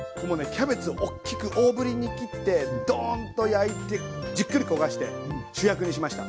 キャベツおっきく大ぶりに切ってドーンと焼いてじっくり焦がして主役にしました。